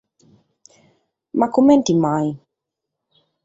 Ma comente mai?